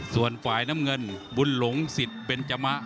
ส่วนฝ่ายน้ำเงินบุญหลงสิทธิ์เบนจมะ